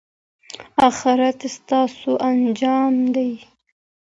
اخرت ستاسو انجام دی.